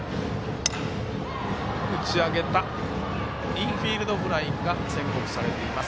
インフィールドフライが宣告されています。